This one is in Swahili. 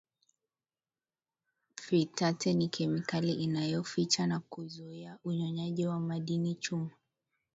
Phytate ni kemikali inayoyaficha na kuzuia unyonyaji wa madini chuma